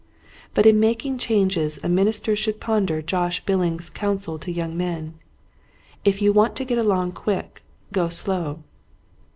But in making changes a minister should ponder Josh Billings's counsel to young men, " If you want to get along quick, go slow."